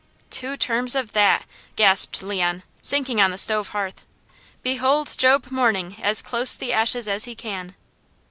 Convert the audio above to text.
'" "Two terms of that!" gasped Leon, sinking on the stove hearth. "Behold Job mourning as close the ashes as he can."